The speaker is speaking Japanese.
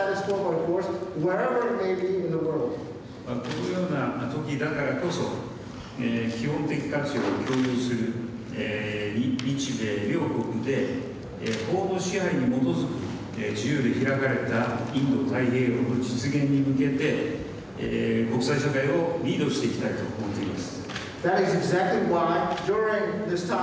このようなときだからこそ基本的価値を共有する日米両国で法の支配に基づく自由で開かれたインド太平洋の実現に向けて国際社会をリードしていきたいと思っています。